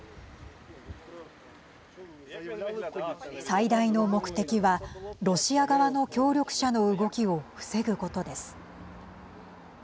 最大の目的はロシア側の協力者の動きを防ぐことです。